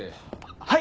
はい！